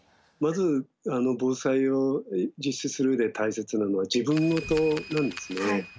まず防災を実施する上で大切なのは自分事なんですね。